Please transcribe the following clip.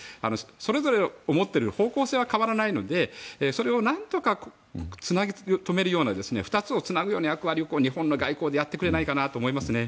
それぞれ持っている方向性は変わらないのでそれを何とかつなぎ止めるような２つをつなぐような役割を日本の外交でやってくれないかなと思いますよね。